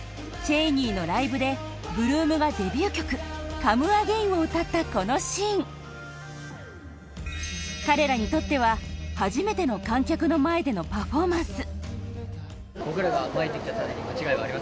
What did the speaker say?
ＣＨＡＹＮＥＹのライブで８ＬＯＯＭがデビュー曲「ＣｏｍｅＡｇａｉｎ」を歌ったこのシーン彼らにとっては初めての観客の前でのパフォーマンス